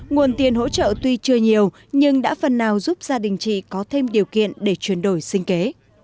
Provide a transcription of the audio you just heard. nguồn tiền hỗ trợ tuy chưa nhiều nhưng đã phần nào giúp gia đình chị có thêm điều kiện để chuyển đổi sinh kế